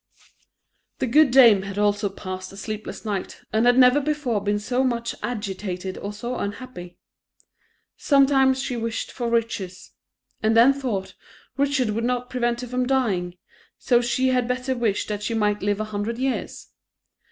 The good dame had also passed a sleepless night, and had never before been so much agitated or so unhappy; sometimes she wished for riches, and then thought, riches would not prevent her from dying so she had better wish that she might live a hundred years.